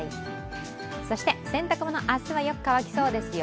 そして洗濯物、明日はよく乾きそうですよ。